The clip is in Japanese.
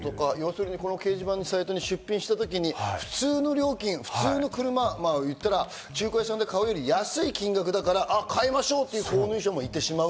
掲示板サイトに出品した時に、普通の料金、普通の車、言ったら中古屋さんで買うより安い金額だから買いましょうという購入者もいてしまう。